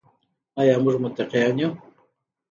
آیا موږ متقیان یو؟